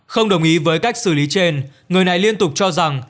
không đồng ý với cách xử lý trên người này liên tục cho rằng